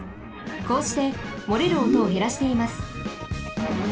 こうしてもれるおとをへらしています。